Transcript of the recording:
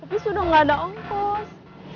tapi sudah gak ada angkot